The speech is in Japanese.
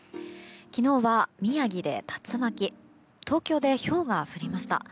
昨日は宮城で竜巻東京でひょうが降りました。